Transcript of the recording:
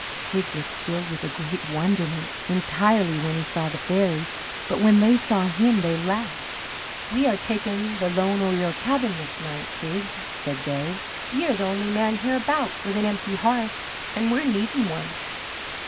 Teig was filled with a great wonderment, entirely, when he saw the fairies, but when they saw him they laughed. "We are takin' the loan o' your cabin this night, Teig," said they. "Ye are the only man hereabout with an empty hearth, an' we're needin' one."